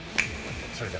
それだ。